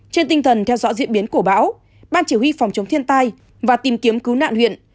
trên tinh thần theo dõi diễn biến của bão ban chỉ huy phòng chống thiên tai và tìm kiếm cứu nạn huyện